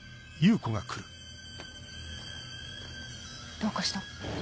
どうかした？